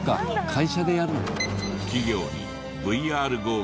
会社でやるのか。